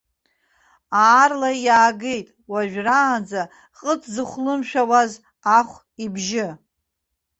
Аарла иаагеит, уажәраанӡа ҟыт зыхәлымшәауаз ахә ибжьы.